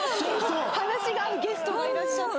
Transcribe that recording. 話が合うゲストがいらっしゃって。